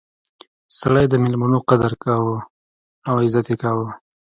سړی د میلمنو قدر کاوه او عزت یې کاوه.